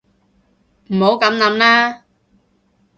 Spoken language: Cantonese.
唔好噉諗啦